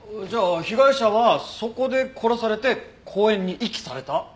じゃあ被害者はそこで殺されて公園に遺棄された？